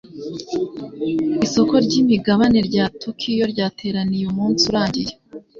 Isoko ryimigabane rya Tokiyo ryateraniye umunsi urangiye.